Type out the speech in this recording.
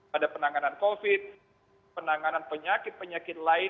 pada penanganan covid penanganan penyakit penyakit lain